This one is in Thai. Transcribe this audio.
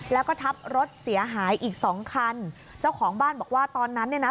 แล้วก็ทับรถเสียหายอีกสองคันเจ้าของบ้านบอกว่าตอนนั้นเนี่ยนะ